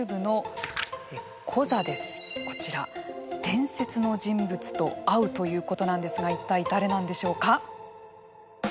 伝説の人物と会うということなんですが一体誰なんでしょうか。